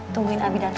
tungguin abi dateng ya